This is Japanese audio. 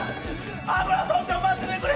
アンゴラ村長、待っててくれ。